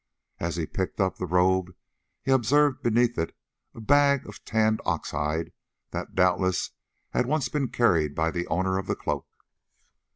As he picked up the robe he observed beneath it a bag of tanned ox hide that doubtless had once been carried by the owner of the cloak.